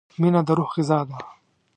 • مینه د روح غذا ده.